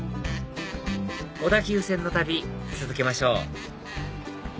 小田急線の旅続けましょう